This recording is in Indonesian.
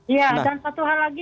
iya dan satu hal lagi